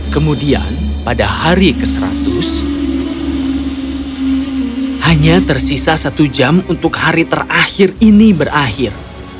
kemudian pada hari ke seratus hanya tersisa satu jam untuk hari terakhir ini berakhir